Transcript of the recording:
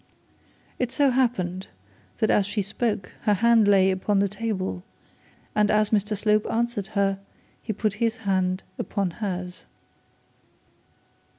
It so happened that as she spoke her hand lay upon the table, and as Mr Slope answered her he put his hand upon hers.